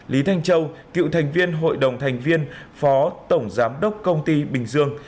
lý thanh châu cựu thành viên hội đồng thành viên phó tổng giám đốc công ty bình dương